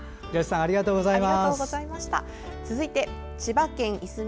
ありがとうございます！